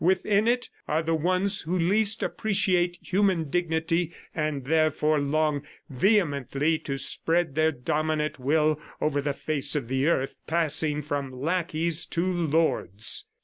Within it, are the ones who least appreciate human dignity and, therefore, long vehemently to spread their dominant will over the face of the earth, passing from lackeys to lords."